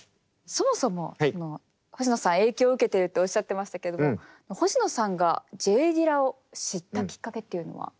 そもそも星野さん影響を受けてるとおっしゃってましたけれども星野さんがＪ・ディラを知ったきっかけっていうのは？